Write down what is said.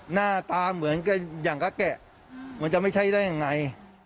หน้าตาเหมือนกันอย่างกะแกะมันจะไม่ใช่ได้ยังไง